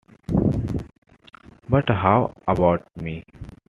But how about me?